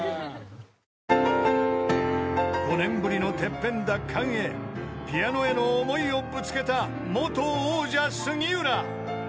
［５年ぶりのＴＥＰＰＥＮ奪還へピアノへの思いをぶつけた］